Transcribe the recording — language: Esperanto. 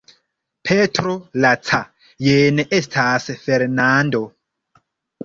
Petro laca, jen estas Fernando.